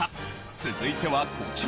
続いてはこちら。